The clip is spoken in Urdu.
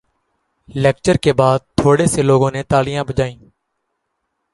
لیکچر کے بات تھورے سے لوگوں نے تالیاں بجائی